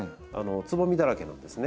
つぼみだらけなんですね。